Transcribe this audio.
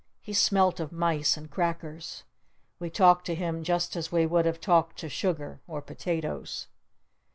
He smelt of mice and crackers. We talked to him just as we would have talked to Sugar or Potatoes.